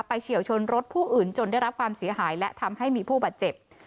เฉียวชนรถผู้อื่นจนได้รับความเสียหายและทำให้มีผู้บาดเจ็บ